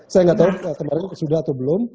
saya nggak tahu kemarin sudah atau belum